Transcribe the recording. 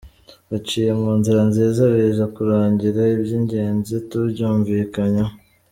baciye mu nzira nziza, biza kurangira i by’ingenzi tubyunvikanyeho.”